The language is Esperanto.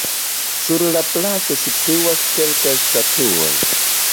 Sur la placo situas kelkaj statuoj.